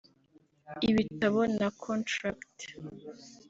ibitabo na contract